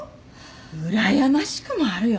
うらやましくもあるよね。